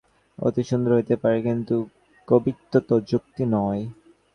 অবশ্য কবিত্ব হিসাবে নিঃস্বার্থতা অতি সুন্দর হইতে পারে, কিন্তু কবিত্ব তো যুক্তি নয়।